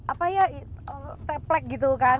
apa ya teplek gitu kan